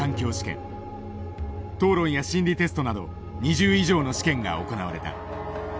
討論や心理テストなど２０以上の試験が行われた。